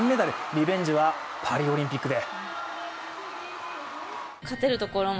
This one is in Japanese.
リベンジはパリオリンピックで。